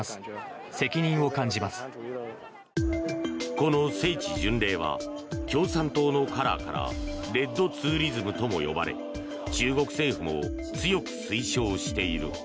この聖地巡礼は共産党のカラーからレッドツーリズムとも呼ばれ中国政府も強く推奨している。